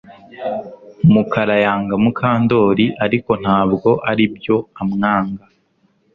Mukara yanga Mukandoli ariko ntabwo aribyo amwanga